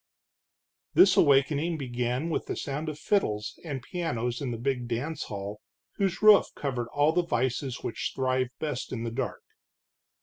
This awakening began with the sound of fiddles and pianos in the big dance hall whose roof covered all the vices which thrive best in the dark.